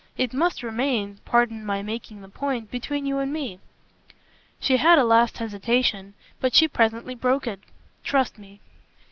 It must remain pardon my making the point between you and me." She had a last hesitation, but she presently broke it. "Trust me."